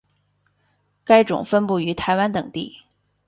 该种分布于台湾等地。